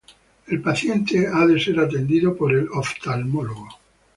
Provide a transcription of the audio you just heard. El paciente debe ser atendido por el oftalmólogo.